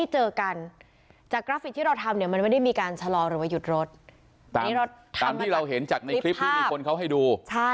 ตามที่เราเห็นจากคลิปที่มีคนเขาให้ดู